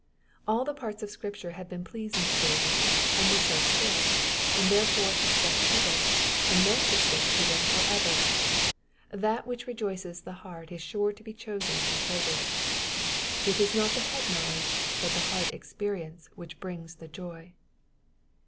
All the parts of Scripture had been pleasing to David, and were so still, and therefore he stuck to them, and meant to stick to them for ever. That which rejoices the heart is sure to be chosen and treasured. It is not the head knowledge but the heart experience which brings the joy.